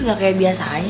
gak kayak biasanya